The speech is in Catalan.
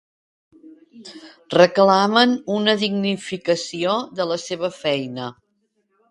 Reclamen una dignificació de la seva feina.